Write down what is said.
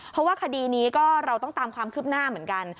เพราะว่าคดีนี้ก็เราต้องตามความคืบหน้าเหมือนกัน